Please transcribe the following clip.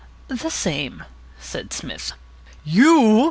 "The same," said Psmith. "You!"